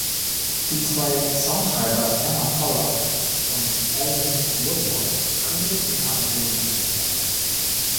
Die zwei Songschreiber Emma Pollock und Alun Woodward kündigten aber Soloprojekte an.